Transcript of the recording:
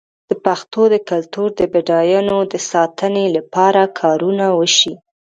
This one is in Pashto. د پښتو د کلتور د بډاینو د ساتنې لپاره کارونه وشي.